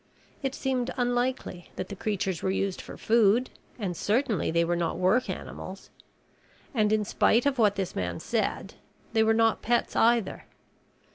It seemed unlikely that the creatures were used for food and certainly they were not work animals. And in spite of what this man said, they were not pets either.